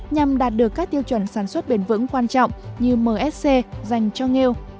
nhằm đạt được các tiêu chuẩn sản xuất bền vững quan trọng như msc dành cho nghêu